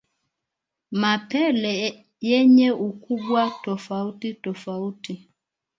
Mapele yenye ukubwa tofauti tofauti